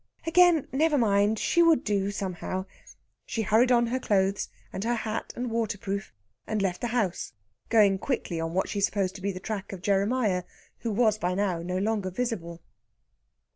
Again, never mind! She would do, somehow. She hurried on her clothes, and her hat and waterproof, and left the house, going quickly on what she supposed to be the track of Jeremiah, who was, by now, no longer visible.